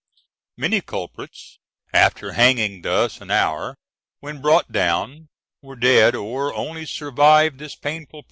Many culprits, after hanging thus an hour, when brought down, were dead, or only survived this painful process a short time.